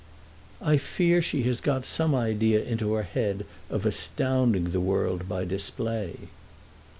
"I fear she has got some idea into her head of astounding the world by display."